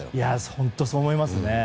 本当にそう思いますね。